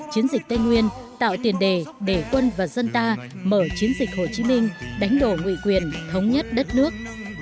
chiến dịch tây nguyên tạo tiền đề để quân và dân ta mở chiến dịch hồ chí minh đánh đổ nguy quyền thống nhất đất nước